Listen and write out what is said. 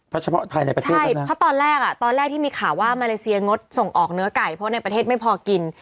เพราะว่าในประเทศไม่พอกิน